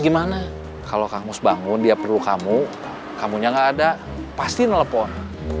gimana kalau kamu bangun dia perlu kamu kamu nya enggak ada pasti telepon